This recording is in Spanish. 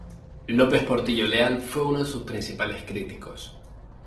López Portillo Leal fue uno de sus principales críticos.